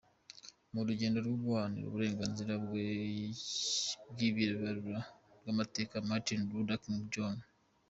Mu rugendo rwo guharanira uburenganzira bw’abirabura rw’amateka, Martin Luther King Jr.